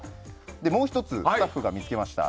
もう１つスタッフが見つけました